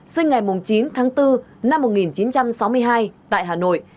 sinh ngày chín tháng bốn năm một nghìn chín trăm sáu mươi hai tại hà nội